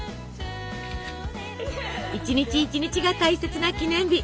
一日一日が大切な記念日。